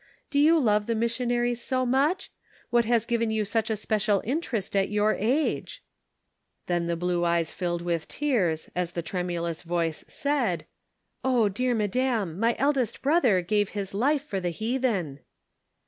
" Do you love the missionaries so much? What has given you such a special interest at your age?" Then the blue eyes filled with tears, as the tremulous voice said :" Oh, dear madam, my oldest brother gave his life for the heathen."